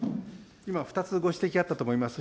今、２つご指摘あったと思います。